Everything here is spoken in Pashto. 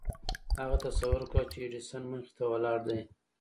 هغه تصور کاوه چې د ايډېسن مخې ته ولاړ دی.